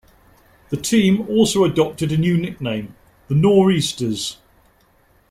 The team also adopted a new nickname: the Nor'easters.